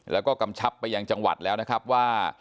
แล้วก็กำชับไปยังจังหวัดแล้วนะครับว่า